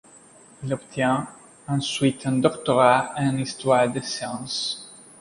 Il obtient ensuite un doctorat en histoire des sciences.